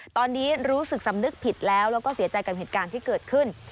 ตอนนี้รู้สึกสำนึกผิดแล้วแล้วก็เสียใจกับเหตุการณ์ที่เกิดขึ้น